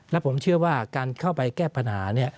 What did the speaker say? และผมเชื่อว่าการเข้าไปแก้ปัญหา